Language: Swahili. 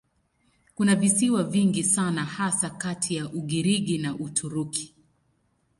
Kuna visiwa vingi sana hasa kati ya Ugiriki na Uturuki.